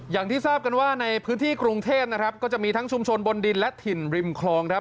อย่างที่ทราบกันว่าในพื้นที่กรุงเทพนะครับก็จะมีทั้งชุมชนบนดินและถิ่นริมคลองครับ